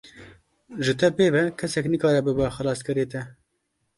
Ji te pê ve, kesek nikare bibe xelaskerê te.